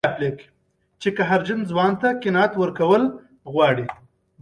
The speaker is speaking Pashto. چې قهرجن ځوان ته قناعت ورکول غواړي.